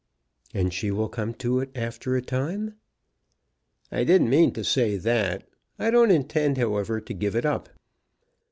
"And she will come to it, after a time?" "I didn't mean to say that. I don't intend, however, to give it up."